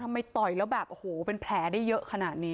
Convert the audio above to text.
ต่อยแล้วแบบโอ้โหเป็นแผลได้เยอะขนาดนี้